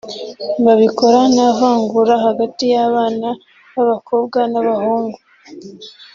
babikora nta vangura hagati y’abana b’abakobwa n’abahungu